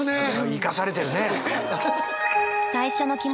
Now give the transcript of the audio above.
生かされてるね！